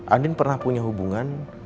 andin pernah punya hubungan